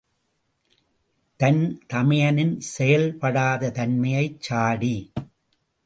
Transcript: தன் தமையனின் செயல்படாத தன்மையைச் சாடி.